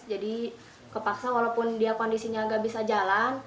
jadi kepaksa walaupun dia kondisinya nggak bisa jalan